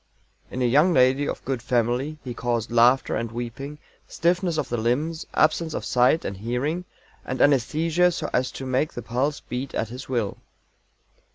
"'In a young lady of good family' he caused laughter and weeping, stiffness of the limbs, absence of sight and hearing, and anæsthesia so as to make the pulse beat at his will."